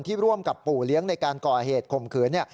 ร่วมกับปู่เลี้ยงในการก่อเหตุข่มขืน